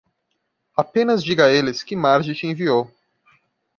Apenas diga a eles que Marge te enviou.